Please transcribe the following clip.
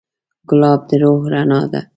ګلاب د روح رڼا ده.